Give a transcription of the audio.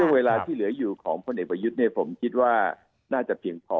เวลาที่เหลืออยู่ของพลเอกประยุทธ์ผมคิดว่าน่าจะเพียงพอ